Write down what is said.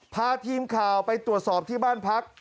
พาทีมข่าวไปตรวจสอบที่บ้านพัก